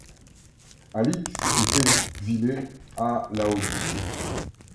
Alix est exilée à Laodicée.